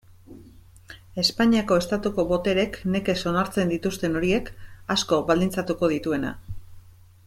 Espainiako Estatuko botereek nekez onartzen dituzten horiek, asko baldintzatuko dituena.